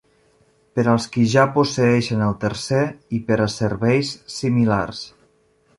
Per als qui ja posseeixen el tercer i per a serveis similars.